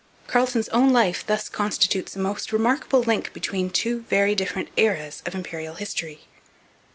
Carleton's own life thus constitutes a most remarkable link between two very different eras of Imperial history.